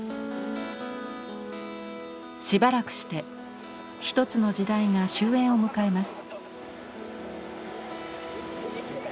しばらくして一つの時代が終焉を迎えます。